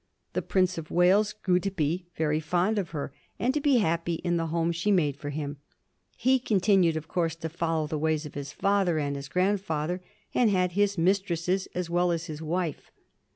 The Prince of Wales grew to be very fond of her, and to be happy in the home she made him. He continued, of course, to follow the ways of his father and his grandfather, and had his mis tresses as well as his wife.